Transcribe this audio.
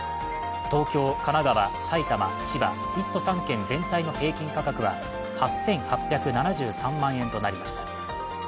東京・神奈川・埼玉・千葉１都３県全体の平均価格は８８７３万円となりました。